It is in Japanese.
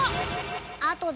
あとでね。